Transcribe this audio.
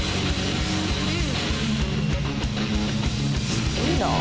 すごいなあ。